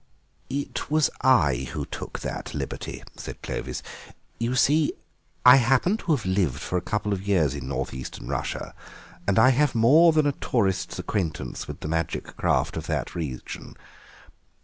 "It was I who took that liberty," said Clovis; "you see, I happen to have lived for a couple of years in North Eastern Russia, and I have more than a tourist's acquaintance with the magic craft of that region.